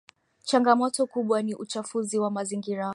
changamoto kubwa ni uchafuzi wa mazingira